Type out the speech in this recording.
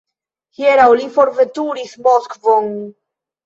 Hieraŭ li forveturis Moskvon.